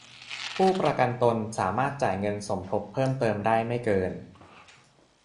ผู้ประกันตนสามารถจ่ายเงินสมทบเพิ่มเติมได้ไม่เกิน